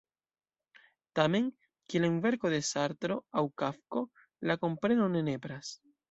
Tamen, kiel en verko de Sartro aŭ Kafko, la kompreno ne nepras.